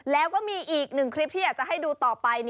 แล้วก็มีอีกหนึ่งคลิปที่อยากจะให้ดูต่อไป